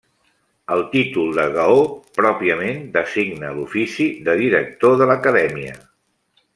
El títol de Gaó pròpiament designa l'ofici de director de l'acadèmia.